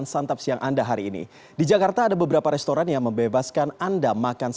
sekarang saatnya makan